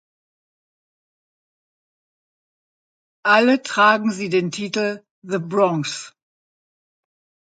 Alle tragen sie den Titel "The Bronx".